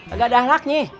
agak dahrak nih